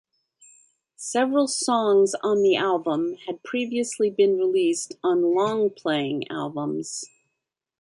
Several songs on the album had previously been released on long-playing albums.